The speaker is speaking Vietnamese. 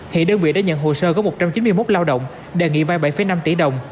hị đơn vị đã nhận hồ sơ có một trăm chín mươi một lao động đề nghị vai bảy năm tỷ đồng